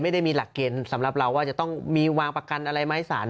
ไม่ได้มีหลักเกณฑ์สำหรับเราว่าจะต้องมีวางประกันอะไรไหมสาร